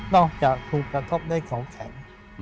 นอกจากถูกกระทบได้ของแข็ง